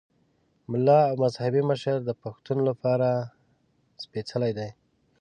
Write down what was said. ملا او مذهبي مشر د پښتون لپاره سپېڅلی دی.